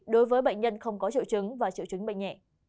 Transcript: đối với bệnh nhân không có triệu chứng và triệu chứng bệnh nhẹ